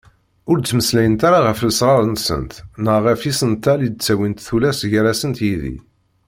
Ur ttmeslayent ara ɣef lesrar-nsent neɣ ɣef yisental i d-ttawint tullas gar-asent yid-i.